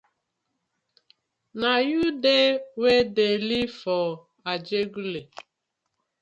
Na yu dey wey dey live for ajegunle.